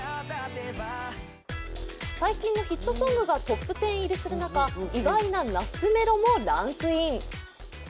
最近のヒットソングがトップ１０入りする中、意外な懐メロもランクイン。